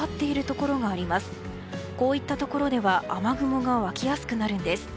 こういったところでは雨雲が湧きやすくなるんです。